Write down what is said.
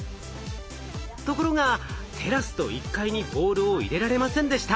ところがテラスと１階にボールを入れられませんでした。